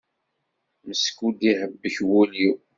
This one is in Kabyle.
Meskud iḥebbek wul-iw.